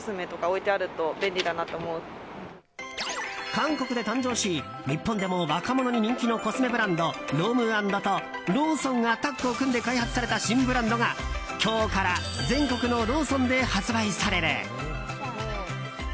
韓国で誕生し日本でも若者に人気のコスメブランドｒｏｍ＆ｎｄとローソンがタッグを組んで開発された新ブランドが今日から全国のローソンで発売される。